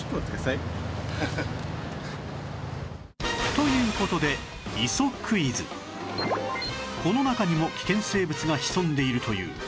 という事でこの中にも危険生物が潜んでいるという